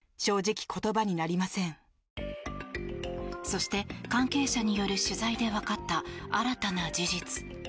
そして、関係者による取材でわかった新たな事実。